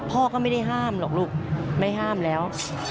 พ่อก็ไม่ได้ห้ามหรอกลูกไม่ห้ามแล้ว